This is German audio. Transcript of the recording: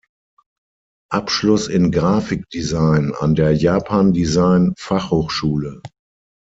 Abschluss in Grafikdesign an der Japan-Design Fachhochschule.